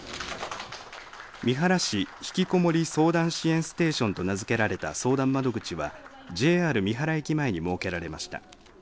三原市ひきこもり相談支援ステーションと名付けられた相談窓口は、ＪＲ三原駅前に設けられました。